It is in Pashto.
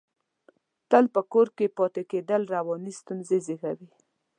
تل په کور کې پاتې کېدل، رواني ستونزې زېږوي.